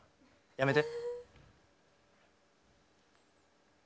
やめて。